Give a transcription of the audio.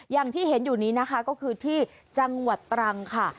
อย่างที่เห็นอยู่นี้นะคะก็คือที่จังหวัดตรังค่ะ